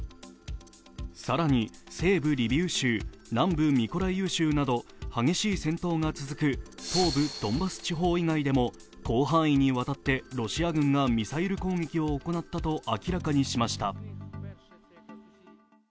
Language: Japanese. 更に西部リビウ州、南部ミコライウ州など激しい戦闘が続く東部ドンバス地方以外でもロシア軍がミサイル攻撃を行ったと明らかにしました。